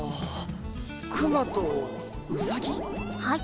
はい。